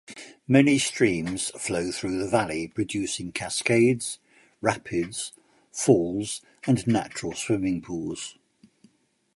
Many streams flow through the valley, producing cascades, rapids, falls and natural swimming pools.